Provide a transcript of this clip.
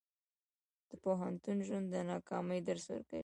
د پوهنتون ژوند د ناکامۍ درس ورکوي.